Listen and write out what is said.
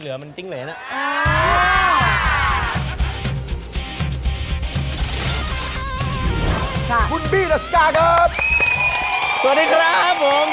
เฮ้ยแฟนคลับขึ้นเยอะอ่ะ